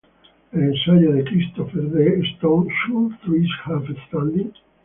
El ensayo de Christopher D. Stone, "Should trees have standing?